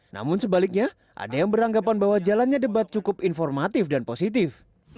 namun sebaliknya ada yang beranggapan bahwa jalannya debat cukup informatif dan positif